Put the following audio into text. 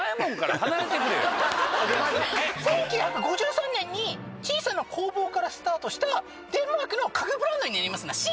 １９５３年に小さな工房からスタートしたデンマークの家具ブランドになりますなっし。